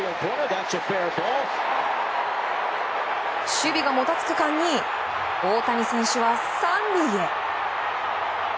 守備がもたつく間に大谷選手は３塁へ。